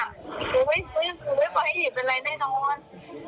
หนูไม่ปล่อยให้เห็นเป็นอะไรแน่นอน